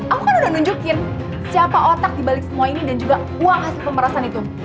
aku kan sudah nunjukkan siapa otak di balik semua ini dan juga uang hasil pemerasan itu